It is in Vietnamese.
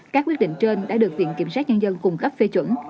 các quyết định trên đã được viện kiểm sát nhân dân cung cấp phê chuẩn